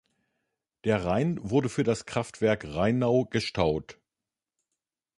Der Rhein wurde für das Kraftwerk Rheinau gestaut.